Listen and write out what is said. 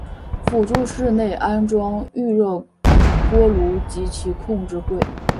辅助室内安装预热锅炉及其控制柜。